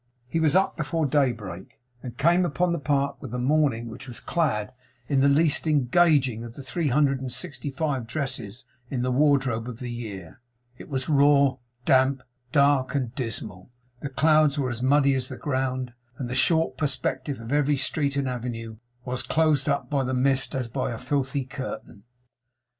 He was up before daybreak, and came upon the Park with the morning, which was clad in the least engaging of the three hundred and sixty five dresses in the wardrobe of the year. It was raw, damp, dark, and dismal; the clouds were as muddy as the ground; and the short perspective of every street and avenue was closed up by the mist as by a filthy curtain.